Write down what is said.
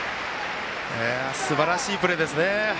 すばらしいプレーですね。